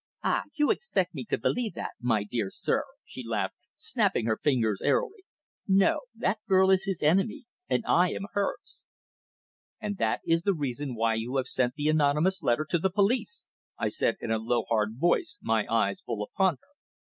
"Ah! You expect me to believe that, my dear sir," she laughed, snapping her fingers airily. "No, that girl is his enemy, and I am hers." "And that is the reason why you have sent the anonymous letter to the police!" I said in a low, hard voice, my eyes full upon her.